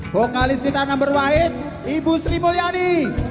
vokalis kita nomor satu ibu sri mulyani